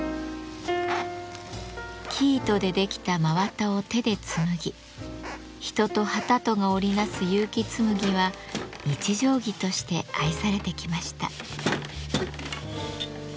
生糸で出来た真綿を手で紡ぎ人と機とが織り成す結城紬は日常着として愛されてきました。